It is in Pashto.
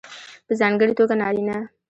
په ځانګړې توګه نارینه